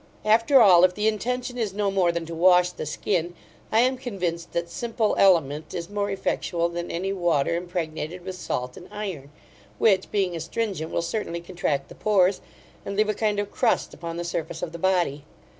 After all, if the intention is no more than to wash the skin, I am convinced that simple element is more effectual than any water impregnated with salt and iron; which, being astringent, will certainly contract the pores, and leave a kind of crust upon the surface of the body.